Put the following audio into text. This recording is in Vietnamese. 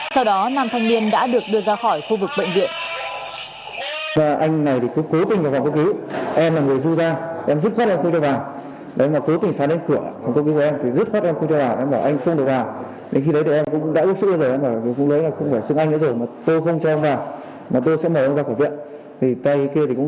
sau đó nam thanh niên đã được đưa ra khỏi khu vực bệnh viện